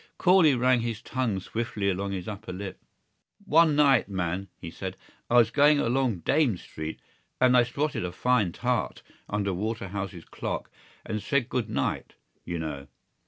Corley ran his tongue swiftly along his upper lip. "One night, man," he said, "I was going along Dame Street and I spotted a fine tart under Waterhouse's clock and said good night, you know.